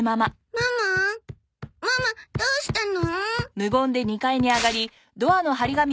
ママどうしたの？